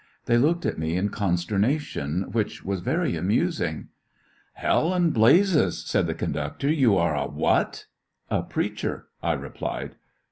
They looked at me in consternation, which was very amusing. "H—l and blazes!" said the conductor, "you are a whatt " "A preacher," I replied.